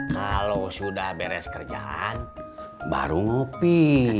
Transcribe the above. kalau sudah beres kerjaan baru ngopi